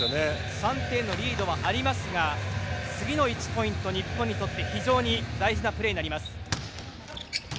３点のリードはありますが次の１ポイント、日本にとって非常に大事なプレーになります。